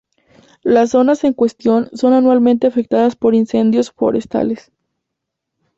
Las zonas en cuestión son anualmente afectadas por incendios forestales.